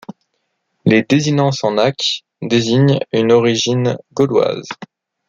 Les désinences en ac désignent une origine gauloise.